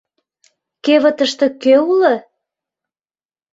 Кевытыште кӧ уло?